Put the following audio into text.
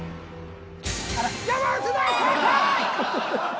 山内大正解！